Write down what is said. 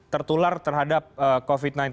tertular terhadap covid sembilan belas